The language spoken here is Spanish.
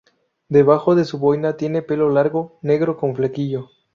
Debajo de su boina, tiene pelo largo negro con flequillo.